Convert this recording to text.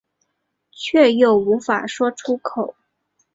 却又无法说出口